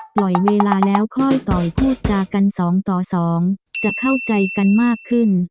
ปล่อยเวลาแล้วค่อยต่อยพูดจากันสองต่อสองจะเข้าใจกันมากขึ้น